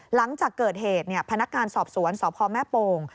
หลังจากเกิดเหตุพนักงานสอบสวนสพแม่โป่ง